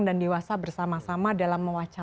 dan dewasa bersama sama